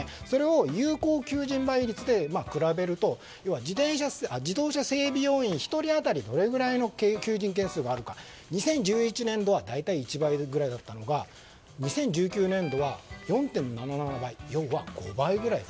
それを有効求人倍率で比べると、自動車整備要員１人当たり、どれぐらいの求人件数があるか２０１１年度はだいたい１倍くらいだったのが２０１１年度は４．７７倍。